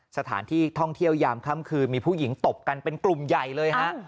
สถานที่ท่องเที่ยวยามค่ำคืนมีผู้หญิงตบกันเป็นกลุ่มใหญ่เลยฮะ